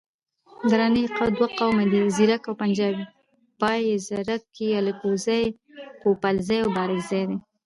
دراني دوه قومه دي، ځیرک او پنجپای. ځیرک یي الکوزي، پوپلزي او بارکزي دی